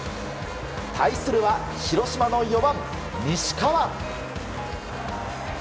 対するは広島の４番、西川。